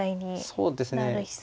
そうですね。